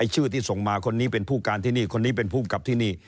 ชื่อที่ส่งมาคนนี้เป็นผู้การที่นี่คนนี้เป็นภูมิกับที่นี่